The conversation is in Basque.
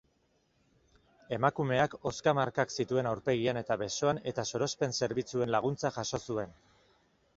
Emakumeak hozka markak zituen aurpegian eta besoan eta sorospen zerbitzuen laguntza jaso zuen.